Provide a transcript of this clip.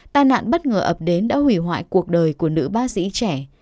tai nạn bất ngờ ập đến đã hủy hoại cuộc đời của nữ bác sĩ trẻ